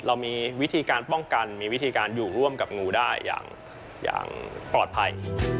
เรามีวิธีการป้องกันมีวิธีการอยู่ร่วมกับงูได้อย่างปลอดภัย